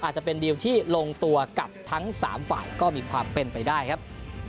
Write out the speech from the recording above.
อาจจะเป็นดิวที่ลงตัวกับทั้ง๓ฝ่ายก็มีความเป็นไปได้ครับ